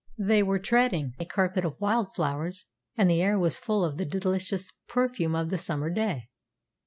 They were treading a carpet of wild flowers, and the air was full of the delicious perfume of the summer day.